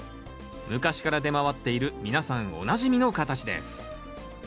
昔から出回っている皆さんおなじみの形です。